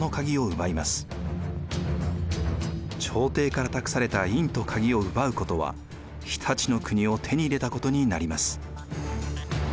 朝廷から託された印と鍵を奪うことは常陸の国を手に入れたことになります。